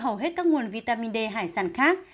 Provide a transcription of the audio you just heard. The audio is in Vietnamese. hầu hết các nguồn vitamin d hải sản khác